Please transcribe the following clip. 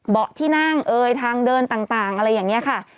เบาะที่นั่งทางเดินต่างอะไรอย่างนี้ค่ะ